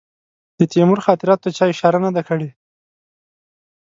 د تیمور خاطراتو ته چا اشاره نه ده کړې.